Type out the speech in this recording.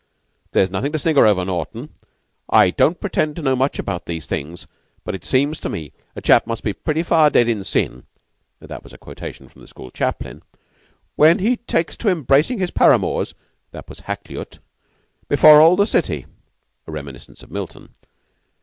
There's nothing to snigger over, Naughten. I don't pretend to know much about these things but it seems to me a chap must be pretty far dead in sin" (that was a quotation from the school chaplain) "when he takes to embracing his paramours" (that was Hakluyt) "before all the city" (a reminiscence of Milton).